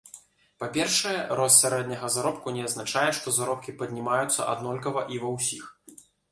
Па-першае, рост сярэдняга заробку не азначае, што заробкі паднімаюцца аднолькава і ва ўсіх.